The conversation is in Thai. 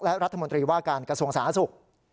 และรัฐมนตรีว่าการกระทรวงสาธารณสุข